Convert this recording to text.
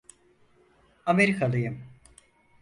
Amerikalıyım.